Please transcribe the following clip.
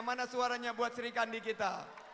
mana suaranya buat sri kandi kita